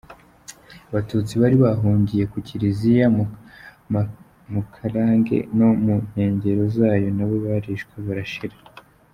Abatutsi bari bahungiye ku Kiliziya ya Mukarange no mu nkengero zayo nabo barishwe barashira.